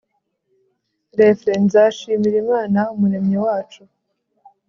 r/ nzashimira imana umuremyi wacu